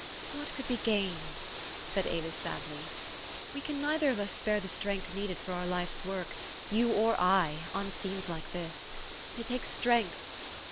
"What could be gained?" said Avis sadly. " We can neither of us spare the strength needed for our life's work you or I on scenes like this. They take strength.